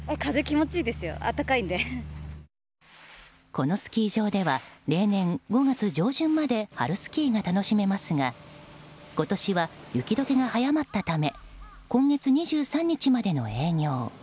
このスキー場では例年５月上旬まで春スキーが楽しめますが今年は雪解けが早まったため今月２３日までの営業。